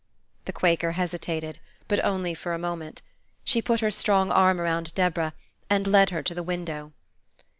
The Quaker hesitated, but only for a moment. She put her strong arm around Deborah and led her to the window.